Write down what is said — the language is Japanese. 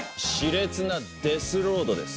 熾烈なデスロードです。